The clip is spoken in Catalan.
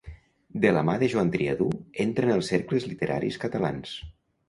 De la mà de Joan Triadú entra en els cercles literaris catalans.